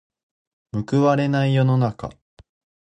報われない世の中。